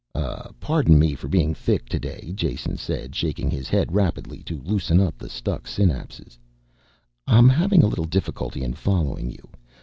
"Pardon me for being thick today," Jason said, shaking his head rapidly to loosen up the stuck synapses. "I'm having a little difficulty in following you.